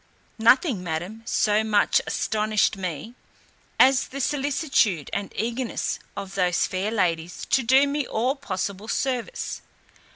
Nothing, madam, so much astonished me, as the solicitude and eagerness of those fair ladies to do me all possible service.